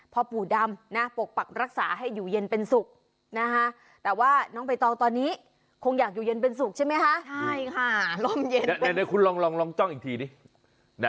เพราะปู่ดำนะปกปรักรักษาให้อยู่เย็นเป็นสุขนะฮะแต่ว่าน้องเบตอลตอนนี้คงอยากอยู่เย็นเป็นสุขใช่ไหมฮะ